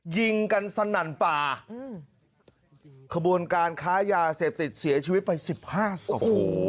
ยิงกันสนั่นป่าอืมขบวนการค้ายาเสพติดเสียชีวิตไปสิบห้าศพ